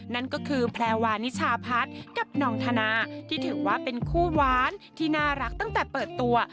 นั่นก็คือแพลวานิชาพัฒน์กับนองธนาที่ถือว่าเป็นคู่หวานที่น่ารักตั้งแต่เปิดตัว